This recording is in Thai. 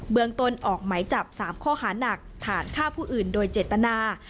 เมืองต้นออกไหมจับ๓ข้อหานักฐานฆ่าผู้อื่นโดยเจตนา